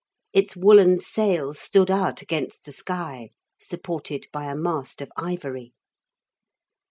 Its woollen sail stood out against the sky, Supported by a mast of ivory.